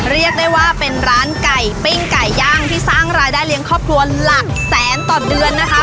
เรียกได้ว่าเป็นร้านไก่ปิ้งไก่ย่างที่สร้างรายได้เลี้ยงครอบครัวหลักแสนต่อเดือนนะคะ